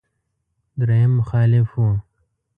درېيم مخالف و.